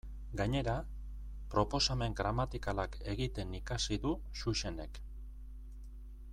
Gainera, proposamen gramatikalak egiten ikasi du Xuxenek.